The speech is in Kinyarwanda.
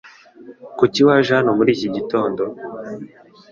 Kuki waje hano muri iki gitondo?